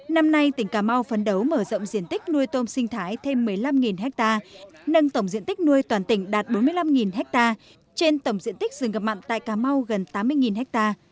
năm nay tỉnh cà mau phấn đấu mở rộng diện tích nuôi tôm sinh thái thêm một mươi năm ha nâng tổng diện tích nuôi toàn tỉnh đạt bốn mươi năm ha trên tổng diện tích rừng ngập mặn tại cà mau gần tám mươi ha